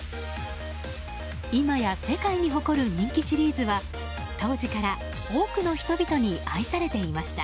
今や世界に誇る人気シリーズは当時から、多くの人々に愛されていました。